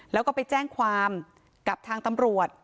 แล้วก็ไปแจ้งความกับทางตำรวจ